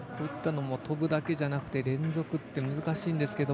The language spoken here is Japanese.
跳ぶだけじゃなくて連続って難しいんですけど。